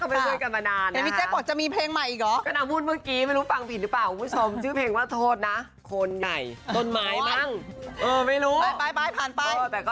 แจ็คเพื่อนแน็กแล้วใช่มั้ยโหดีขอบคุณแจ็คมากเลยนะ